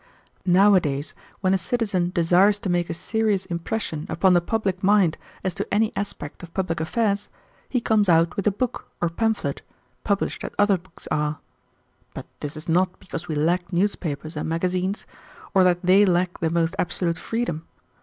Nowadays, when a citizen desires to make a serious impression upon the public mind as to any aspect of public affairs, he comes out with a book or pamphlet, published as other books are. But this is not because we lack newspapers and magazines, or that they lack the most absolute freedom.